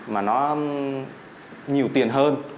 mà nó nhiều tiền hơn